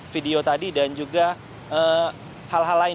video tadi dan juga hal hal lain